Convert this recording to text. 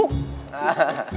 buat siapa lagi